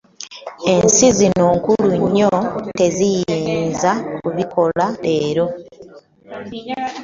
Ensi zino nkulu nnyo tetuyinza kubikola leero.